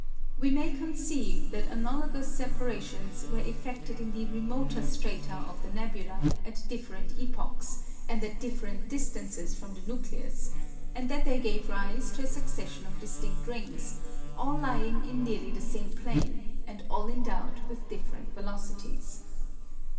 We may conceive that analogous separations were effected in the remoter strata of the nebula at different epochs and at different distances from the nucleus, and that they gave rise to a succession of distinct rings, all lying in nearly the same plane, and all endowed with different velocities.